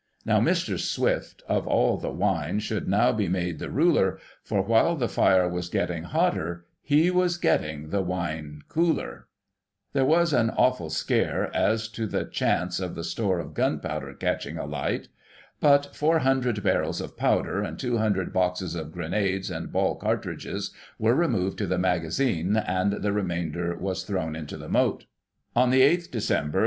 Now, Mr. Swifte, of all the wine, Should now be made the ruler, For while the fire was getting hotter, He was getting the Wine Cooler J*'* There was an awful scare as to the chance of the store of gunpowder catching alight — ^but 400 barrels of powder, and 200 boxes of grenades and ball cartridges, were removed to the magazine, and the remainder was thrown into the moat Digiti ized by Google 174 GOSSIP. [1841 On the 8th Dec.